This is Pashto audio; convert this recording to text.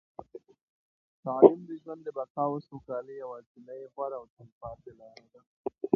تعلیم د ژوند د بقا او سوکالۍ یوازینۍ، غوره او تلپاتې لاره ده.